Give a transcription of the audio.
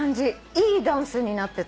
いいダンスになってた。